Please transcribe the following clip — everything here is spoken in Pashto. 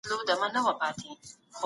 د سپڼسیو او وړیو نساجي فعاله وساتل سوه.